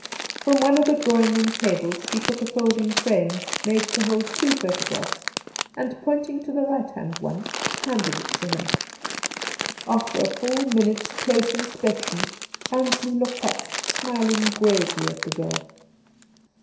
From one of the drawing room tables she took a folding frame made to hold two photographs, and pointing to the right hand one, handed it to him. After a full minute's close inspection, Ansley looked up, smiling gravely at the girl.